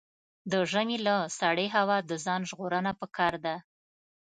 د ژمي له سړې هوا د ځان ژغورنه پکار ده.